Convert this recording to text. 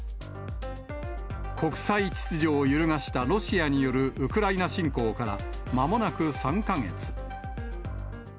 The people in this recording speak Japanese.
国際秩序を揺るがしたロシアによるウクライナ侵攻からまもなく３か月。